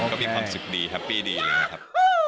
ก็มีความสุขดีแฮปปี้ดีนะครับ